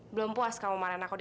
belum puas kamu marah nanti